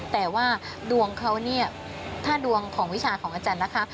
แต่ว่าดวงเขาเนี่ยถ้าดวงของวิชาของอาจารย์นะคะ